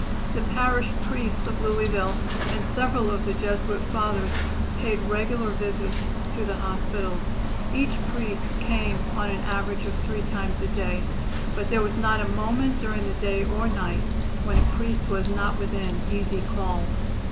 The parish priests of Louisville and several of the Jesuit Fathers paid regular visits to the hospitals. Each priest came on an average of three times a day, but there was not a moment during the day or night when a priest was not within easy call.